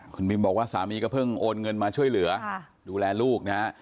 คุณมินบอกว่าสามีก็เพิ่งโอนเงินมาช่วยเหลือดูแลลูกนะฮะ